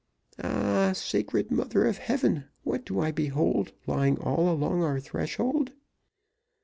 Ah! sacred Mother of Heaven, what do I behold lying all along our threshold?